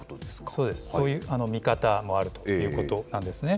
そうです、そういう見方もあるということなんですね。